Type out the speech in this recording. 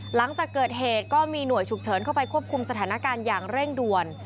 หลังจากเกิดเหตุก็มีหน่วยฉุกเฉินเข้าไปควบคุมสถานการณ์อย่างเร่งด่วน